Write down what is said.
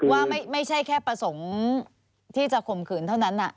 ว่าไม่ใช่แค่ประสงค์ที่จะข่มขืนเท่านั้น